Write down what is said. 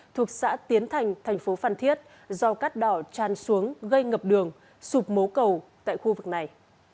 thuộc xã tiến thành thành phố phan thiết do cát đỏ tràn xuống gây ngập đường sụp mố cầu tại khu vực này